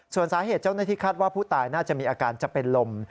ส่วนสาเหตุเจ้าหน้าที่คาดว่าผู้ตายน่าจะมีอาการจะเป็นลม